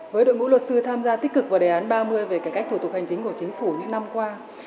với đội ngũ luật sư tham gia tích cực vào đề án ba mươi về cải cách thủ tục hành chính của chính phủ những năm qua